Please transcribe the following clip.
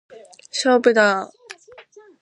勝負だー！